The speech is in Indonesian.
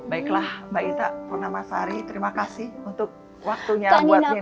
baiklah mbak itta purnama sari terima kasih untuk waktunya buat nginar nostalgia